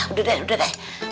udah deh udah deh